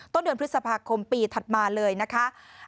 ต้นเดือนพฤษภาคมปีถัดมาเลยนะคะ